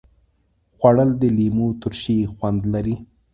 خوړل د لیمو ترشي خوند لري